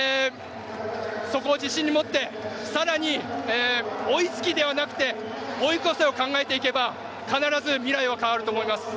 そこを自信に持ってさらに追いつけではなくて追い越せを考えていけば必ず未来は変わると思います。